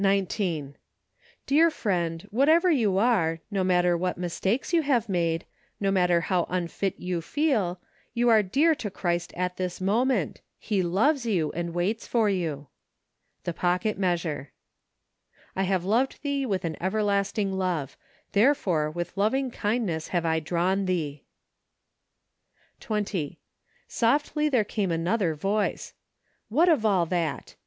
Dear friend, whatever you are, no matter what mistakes you have made, no matter how unfit you feel, you are dear to Christ at this moment: He loves you and waits for you. The Pocket Measure. " I have loved thee with an everlasting love: there¬ fore with lovingkindness have I drawn thee." 20. Softly there came another voice. '•'What of all that?"